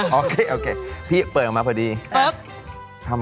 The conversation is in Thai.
แล้วคุณพูดกับอันนี้ก็ไม่รู้นะผมว่ามันความเป็นส่วนตัวซึ่งกัน